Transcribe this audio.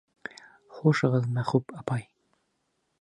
Хушығыҙ, Мәхүб апай!